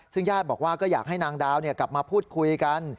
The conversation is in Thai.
ซึ่งญาติบอกว่าก็อยากให้นางดาวกลับมาพูดคุยกัน